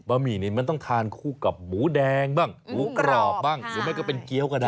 หมี่นี้มันต้องทานคู่กับหมูแดงบ้างหมูกรอบบ้างหรือไม่ก็เป็นเกี้ยวก็ได้